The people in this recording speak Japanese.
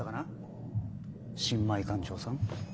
新米艦長さん。